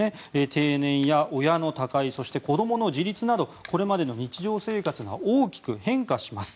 定年や親の他界そして子供の自立などこれまでの日常生活が大きく変化します。